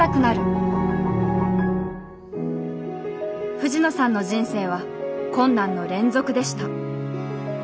藤野さんの人生は困難の連続でした。